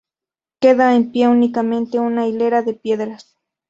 Queda en pie únicamente una hilera de piedras.